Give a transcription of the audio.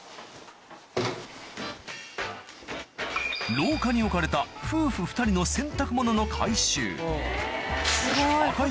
廊下に置かれた夫婦２人の洗濯物の回収赤井